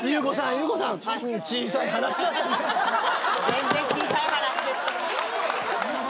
全然小さい話でした。